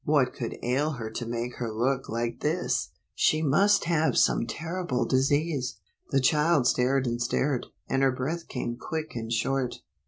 What could ail her to make her look like this ? She must have some terrible disease ! The child stared and stared, and her breath came quick and short.